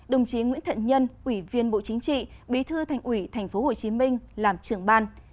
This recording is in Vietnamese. đồng chí nguyễn thận nhân ủy viên bộ chính trị bí thư thành ủy tp hcm làm trưởng ban